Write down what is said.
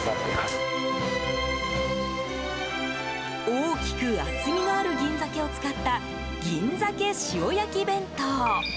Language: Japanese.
大きく厚みのある銀鮭を使った銀鮭塩焼き弁当。